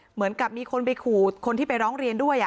เหมือนกับมีคนไปขู่คนที่ไปร้องเรียนด้วย